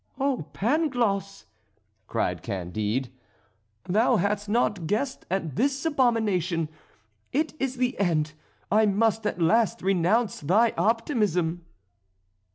"Oh, Pangloss!" cried Candide, "thou hadst not guessed at this abomination; it is the end. I must at last renounce thy optimism."